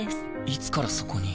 いつからそこに？